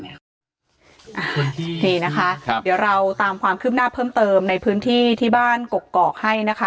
นี่นะคะเดี๋ยวเราตามความคืบหน้าเพิ่มเติมในพื้นที่ที่บ้านกกอกให้นะคะ